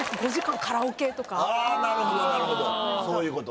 あなるほどなるほどそういうこと。